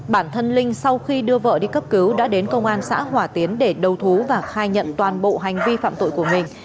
bản thân linh sau khi đưa vợ đi cấp cứu đã đến công an xã hòa tiến để đầu thú và khai nhận toàn bộ hành vi phạm tội của mình